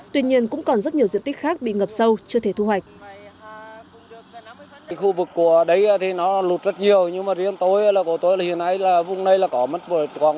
tuy nhiên cũng còn rất nhiều diện tích khác bị ngập sâu chưa thể thu hoạch